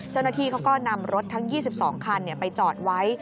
เจ้าหน้าที่เขาก็นำรถทั้ง๒๒คันไปจอดไว้